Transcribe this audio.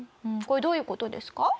これどういう事ですか？